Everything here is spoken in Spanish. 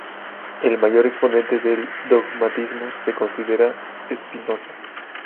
El mayor exponente del dogmatismo se considera Spinoza.